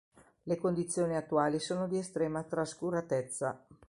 Le condizioni attuali sono di estrema trascuratezza.